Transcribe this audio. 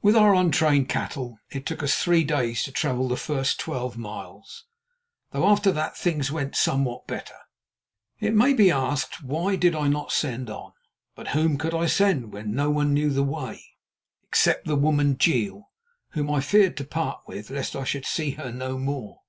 With our untrained cattle it took us three days to travel the first twelve miles, though after that things went somewhat better. It may be asked, why did I not send on? But whom could I send when no one knew the way, except the woman, Jeel, whom I feared to part with lest I should see her no more?